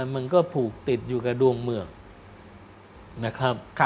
มันก็ผูกติดอยู่กับดวงเมือง